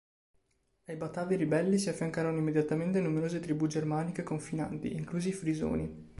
Ai Batavi ribelli si affiancarono immediatamente numerose tribù germaniche confinanti, inclusi i Frisoni.